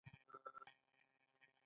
سندرې ویل یوه جلا او مهمه برخه ده.